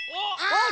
あっ！